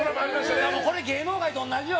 芸能界と同じよ。